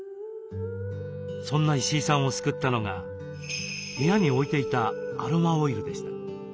そんな石井さんを救ったのが部屋に置いていたアロマオイルでした。